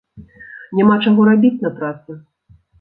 Няма чаго рабіць на працы.